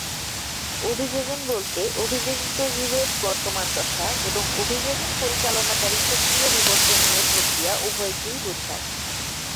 অভিযোজন বলতে অভিযোজিত জীবের বর্তমান দশা এবং অভিযোজন পরিচালনাকারী সক্রিয় বিবর্তনীয় প্রক্রিয়া উভয়কেই বোঝায়।